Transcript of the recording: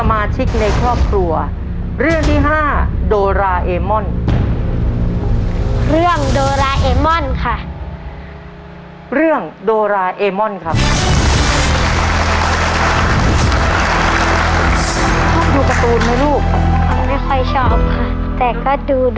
ไม่ค่อยชอบค่ะแต่ก็ดูโดราเอมอนบ้างค่ะ